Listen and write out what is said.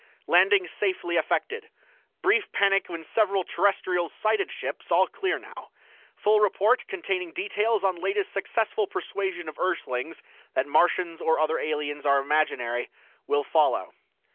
_"Landing safely effected. Brief panic when several Terrestrials sighted ships; all clear now. Full report, containing details on latest successful persuasion of Earthlings that Martians or other aliens are imaginary, will follow."